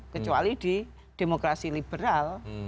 kecuali di demokrasi liberal